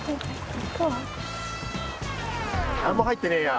何も入ってねえや。